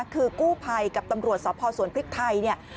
คือกู้ภัยกับตำรวจสพสวนพริกไทยเนี่ย